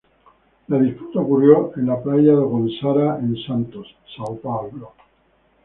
La disputa ocurrió en la Praia do Gonzaga en Santos, São Paulo.